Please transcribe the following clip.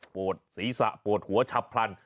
ปวดศีรษะปวดหัวฉับพลัน